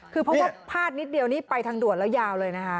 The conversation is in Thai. คือเพื่อก็พาดนิดเดียวไปทางด่วนแล้วยาวเลยนะฮะ